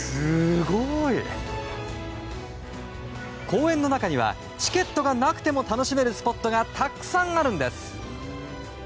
公園の中にはチケットがなくても楽しめるスポットがたくさんあるんです。